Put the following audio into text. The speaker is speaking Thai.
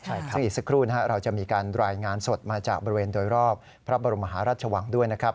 ใช่ครับอีกสักครู่เราจะมีการรายงานสดมาจากบริเวณโดยรอบพระบรมหาราชวังด้วยนะครับ